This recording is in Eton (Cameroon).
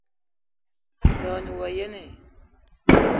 De o ne wa yene?